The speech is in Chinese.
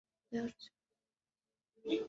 都市发展持续改变里昂的面貌。